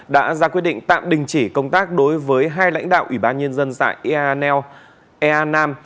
đã ra quyết định tạm đình chỉ công tác đối với hai lãnh đạo ủy ban nhân dân dạy iao ea nam